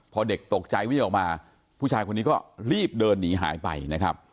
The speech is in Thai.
พอเด็กตกใจวิ่งออกมาผู้ชายคนนี้ก็รีบเดินหนีหายไปนะครับ